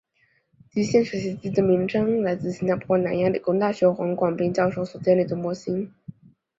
极限学习机的名称来自新加坡南洋理工大学黄广斌教授所建立的模型。